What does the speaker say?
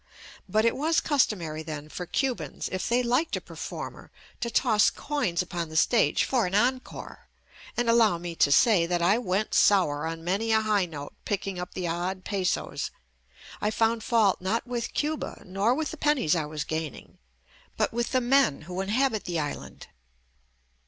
But it was cus tomary then for Cubans if they liked a per JUST ME former to toss coins upon the stage for an en core, and allow me to say, that I went sour on many a high note picking up the odd "pesos. 5 ' I found fault not with Cuba nor with the pen nies I was gaining, but with the men who in habit the island.